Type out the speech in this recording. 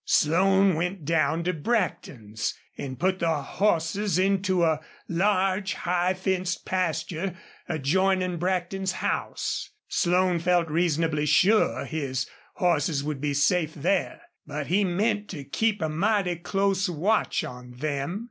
Slone went down to Brackton's, and put the horses into a large, high fenced pasture adjoining Brackton's house. Slone felt reasonably sure his horses would be safe there, but he meant to keep a mighty close watch on them.